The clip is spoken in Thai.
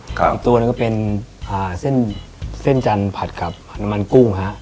อีกตัวนั้นก็เป็นเส้นจันทร์ผัดกับน้ำมันกุ้งครับ